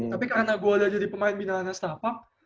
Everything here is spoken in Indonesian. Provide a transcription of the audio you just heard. tapi karena gue udah jadi pemain binaan setapak